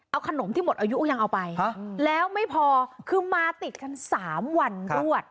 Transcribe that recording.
เอาขนมที่หมดอายุก็ยังเอาไปแล้วไม่พอคือมาติดกัน๓วันรวด